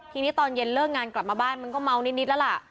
ทีนี้ตอนเย็นเลิกงานกลับมาบ้านมันก็เมานิดแล้วล่ะ